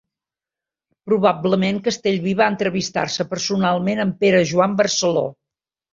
Probablement Castellví va entrevistar-se personalment amb Pere Joan Barceló.